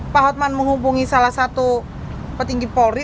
pak hotman menghubungi salah satu petinggi polri